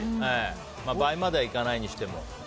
倍まではいかないにしても。